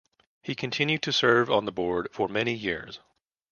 He continued to serve on the board for many years.